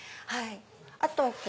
あと。